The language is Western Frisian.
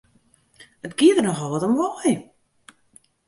It gie der nochal wat om wei!